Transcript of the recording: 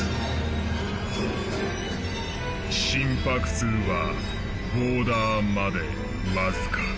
心拍数はボーダーまでわずか。